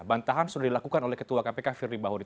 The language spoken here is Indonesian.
bantahan sudah dilakukan oleh ketua kpk firly bahuri